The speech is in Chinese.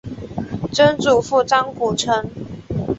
曾祖父张谷成。